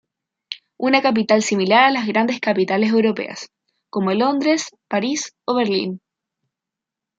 Una capital similar a las grandes capitales europeas como Londres, París o Berlín.